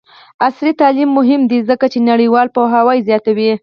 عصري تعلیم مهم دی ځکه چې نړیوال پوهاوی زیاتوي.